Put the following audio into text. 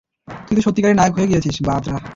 তুই তো সত্যিকারের নায়ক হয়ে গেছিস, বাতরা!